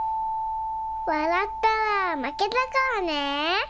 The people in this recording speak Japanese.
わらったらまけだからね。